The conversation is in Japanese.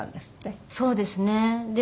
そうですね。